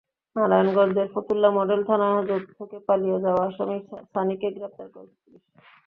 নারায়ণগঞ্জের ফতুল্লা মডেল থানাহাজত থেকে পালিয়ে যাওয়া আসামি সানিকে গ্রেপ্তার করেছে পুলিশ।